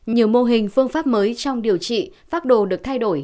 nhiều mô hình phương pháp mới trong điều trị phác đồ được thay đổi